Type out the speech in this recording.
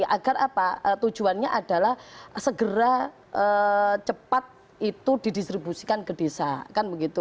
agar tujuannya adalah segera cepat itu didistribusikan ke desa